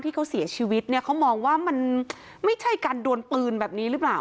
ที่เขาเสียชีวิตเนี่ยเขามองว่ามันไม่ใช่การดวนปืนแบบนี้หรือเปล่า